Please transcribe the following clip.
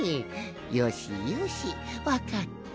よしよしわかった。